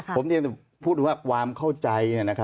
ผมยังพูดว่าความเข้าใจ